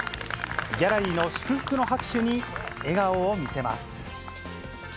ギャラリーの祝福の拍手に、笑顔を見せます。